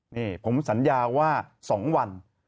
นี่ผมสัญญาว่า๒วัน